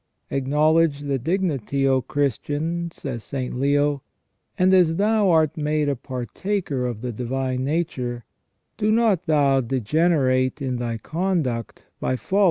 "Acknowledge thy dignity, O Christian," says St. Leo :" and as thou art made a partaker of the divine nature, do not thou degenerate in thy conduct by falling * S.